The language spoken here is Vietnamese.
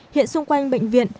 hiện xung quanh bệnh viện